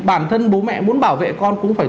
bản thân bố mẹ muốn bảo vệ con cũng phải